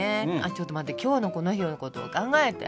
ちょっと待って今日のこの日のことを考えて。